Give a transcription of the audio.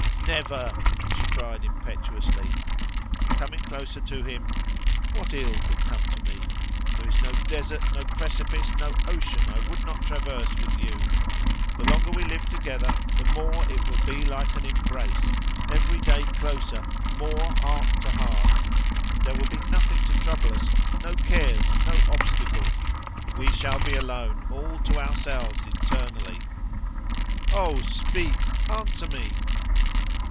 "Never!" she cried impetuously. And coming closer to him: "What ill could come to me? There is no desert, no precipice, no ocean I would not traverse with you. The longer we live together the more it will be like an embrace, every day closer, more heart to heart. There will be nothing to trouble us, no cares, no obstacle. We shall be alone, all to ourselves eternally. Oh, speak! Answer me!"